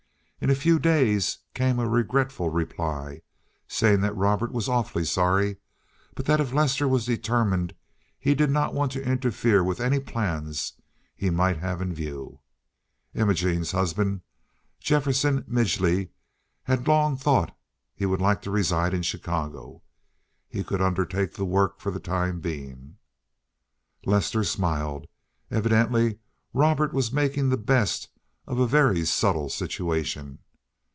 In a few days came a regretful reply, saying that Robert was awfully sorry, but that if Lester was determined he did not want to interfere with any plans he might have in view. Imogene's husband, Jefferson Midgely, had long thought he would like to reside in Chicago. He could undertake the work for the time being. Lester smiled. Evidently Robert was making the best of a very subtle situation.